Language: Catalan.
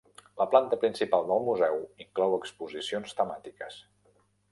La planta principal del museu inclou exposicions temàtiques.